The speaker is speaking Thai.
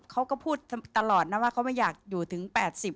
เขาก็พูดตลอดนะว่าเขาไม่อยากอยู่ถึง๘๐